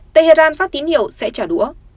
tehran phát tín hiệu sẽ trả đũa